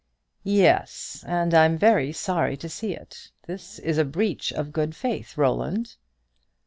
"Yes, and I am very sorry to see it. This is a breach of good faith, Roland."